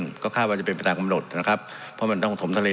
เพื่อก็คาดว่าจะเป็นจากข้าวปะดดนะครับเพราะมันต้องถมทะเล